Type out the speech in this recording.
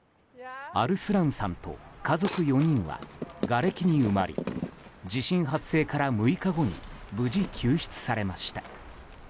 アルスランさんと家族に４人はがれきに埋まり地震発生から６日後に無事救出されました。